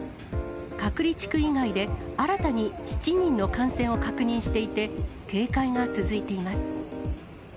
隔離地区以外で新たに７人の感染を確認していて、警戒が続いています。